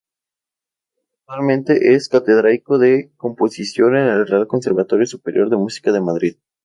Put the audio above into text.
Actualmente es catedrático de Composición en el Real Conservatorio Superior de Música de Madrid.